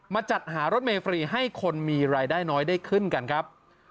จัดหารถเมฟรีให้คนมีรายได้น้อยได้ขึ้นกันครับ